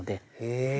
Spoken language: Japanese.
へえ！